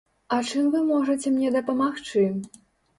А чым вы можаце мне дапамагчы?